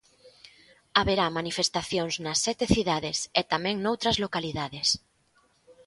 Haberá manifestacións nas sete cidades e tamén noutras localidades.